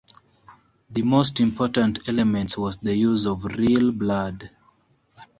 The most important element was the use of real blood.